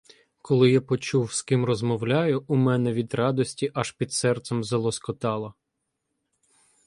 Коли я почув, з ким розмовляю, у мене від радості аж під серцем залоскотало.